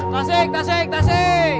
tasik tasik tasik